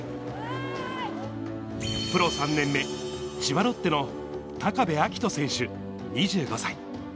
プロ３年目、千葉ロッテの高部瑛斗選手２５歳。